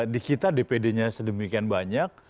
di kita dpd nya sedemikian banyak